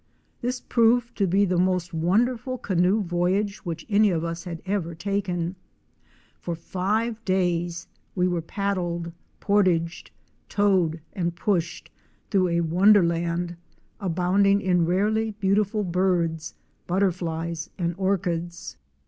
This proved to be the most wonderful canoe voyage which any of us had ever taken. Fox five days we were paddled, portaged, towed and pushed through a wonderland abounding in rarely beautiful birds, butterflies and orchids.